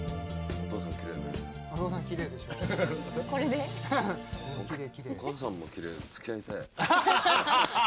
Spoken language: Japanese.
お母さんもきれいでつきあいたい。